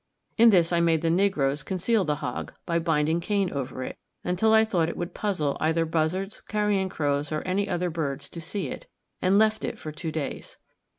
In this I made the negroes conceal the hog, by binding cane over it, until I thought it would puzzle either buzzards, carrion crows, or any other birds to see it, and left it for two days.